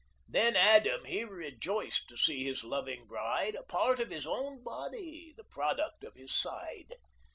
Then Adam he rejoiced To see his loving bride A part of his own body, ■ The product of his side.